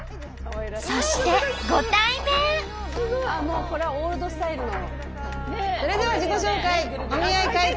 そしてもうこれはオールドスタイルの。